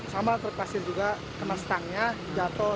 sama truk pasir juga kena stangnya jatuh